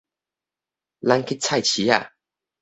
咱去菜市仔